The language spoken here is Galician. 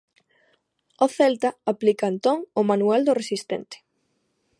O Celta aplica entón o manual do resistente.